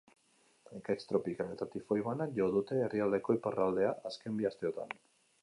Ekaitz tropikal eta tifoi banak jo dute herrialdeko iparraldea azken bi asteotan.